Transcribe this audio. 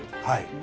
はい。